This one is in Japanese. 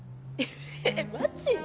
えっマジで？